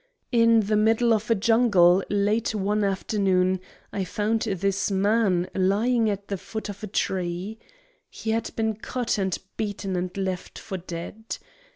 In the middle of a jungle late one afternoon I found this man lying at the foot of a tree. He had been cut and beaten and left for dead.